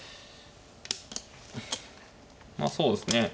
まあそうですね。